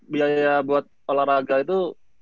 biaya buat olahraga itu